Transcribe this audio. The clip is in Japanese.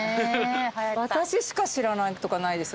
私しか知らないとかないですよね？